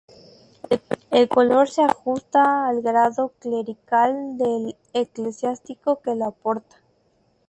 El color se ajusta al grado clerical del eclesiástico que lo porta.